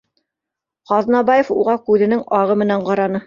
Ҡ аҙнабаев уға күҙенең ағы менән ҡараны